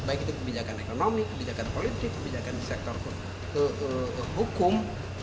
baik itu kebijakan ekonomi kebijakan politik kebijakan di sektor hukum